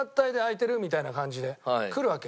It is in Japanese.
開いてる？みたいな感じで来るわけ。